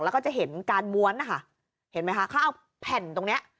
แล้วก็จะเห็นการม้วนนะคะเห็นไหมคะเขาเอาแผ่นตรงเนี้ย